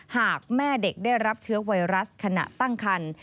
หากแม่เด็กได้รับเชื้อไวรัสขณะตั้งคัน